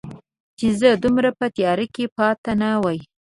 چې زه دومره په تیاره کې پاتې نه وای